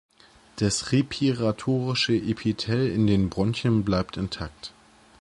Das respiratorische Epithel in den Bronchien bleibt intakt.